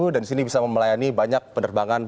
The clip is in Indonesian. dan disini bisa melayani banyak penerbangan